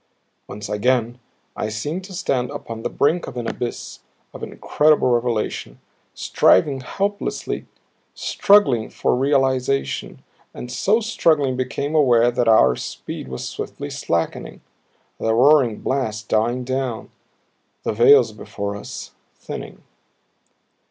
Once again I seemed to stand upon the brink of an abyss of incredible revelation, striving helplessly, struggling for realization and so struggling became aware that our speed was swiftly slackening, the roaring blast dying down, the veils before us thinning.